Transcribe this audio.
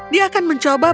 dia akan mencoba berpikirkan